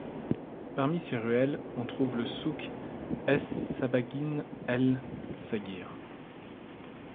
Parmi ses ruelles, on trouve le souk Es Sabbaghine El Saghir.